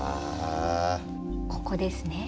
ここですね。